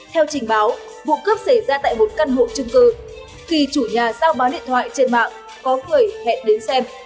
theo trình báo vụ cướp xảy ra tại một căn hộ trung cư khi chủ nhà giao bán điện thoại trên mạng có người hẹn đến xem